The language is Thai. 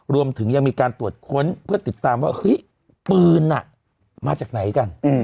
รวมถึงยังมีการตรวจค้นเพื่อติดตามว่าเฮ้ยปืนมาจากไหนกัน